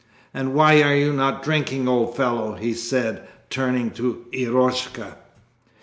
'And why are you not drinking, old fellow?' he said, turning to Eroshka.